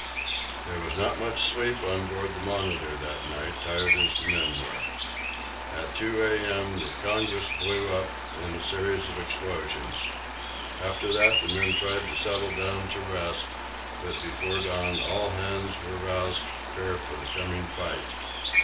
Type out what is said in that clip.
There was not much sleep on board the "Monitor" that night, tired as the men were. At 2 a.m. the "Congress" blew up in a series of explosions. After that the men tried to settle down to rest, but before dawn all hands were roused to prepare for the coming fight.